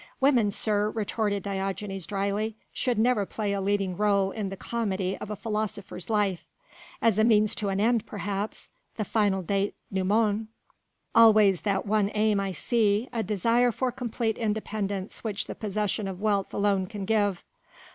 "Women, sir," retorted Diogenes dryly, "should never play a leading rôle in the comedy of a philosopher's life. As a means to an end perhaps ... the final dénouement...." "Always that one aim I see a desire for complete independence which the possession of wealth alone can give."